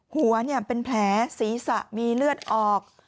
หัวเป็นแผลศีรษะมีเลือดออก